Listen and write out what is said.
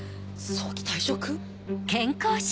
早期退職？